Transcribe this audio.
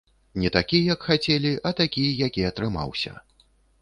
Не такі, як хацелі, а такі, які атрымаўся.